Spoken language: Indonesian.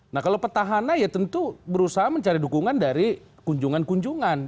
nah kalau petahana ya tentu berusaha mencari dukungan dari kunjungan kunjungan